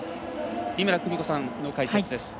井村久美子さんの解説です。